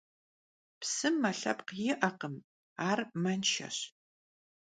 Psım me lhepkh yi'ekhım, ar menşşeş.